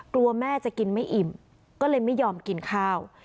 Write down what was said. กลัวแม่จะกินไม่อิ่มก็เลยไม่ยอมกินข้าว